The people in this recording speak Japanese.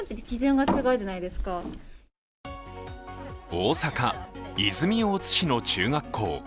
大阪・泉大津市の中学校。